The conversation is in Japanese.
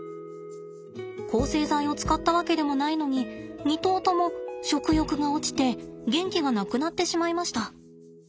抗生剤を使ったわけでもないのに２頭とも食欲が落ちて元気がなくなってしまいました。